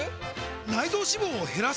内臓脂肪を減らす！？